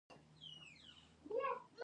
کتاب د ذهن انځور دی.